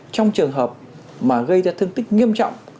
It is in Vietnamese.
trong trường hợp mà gây ra thương tích nghiêm trọng